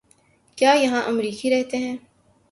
کیا یہاں امریکی رہتے ہیں؟